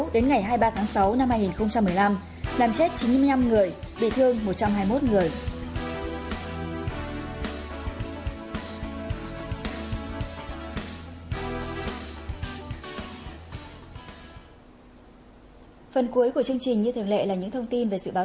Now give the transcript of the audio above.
đến ngày hai mươi ba tháng sáu năm hai nghìn một mươi năm làm chết chín mươi năm người bị thương một trăm hai mươi một người